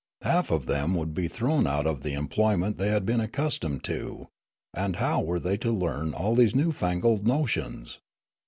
Half of them would be thrown out of the employment they had been accustomed to, and how were they to learn all these new fangled notions